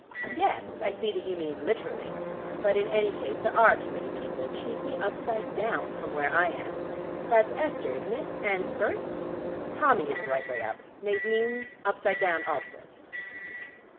"Yes. I see that you mean 'literally.' But in any case there are too many people, chiefly upside down from where I am. That's Esther, isn't it, and Berts? Tommy is the right way up. Nadine upside down also."